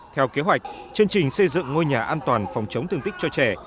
theo kế hoạch chương trình xây dựng ngôi nhà an toàn phòng chống thương tích cho trẻ